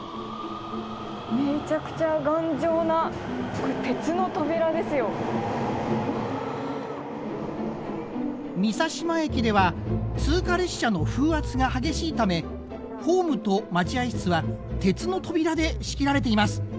めちゃくちゃ美佐島駅では通過列車の風圧が激しいためホームと待合室は鉄の扉で仕切られています。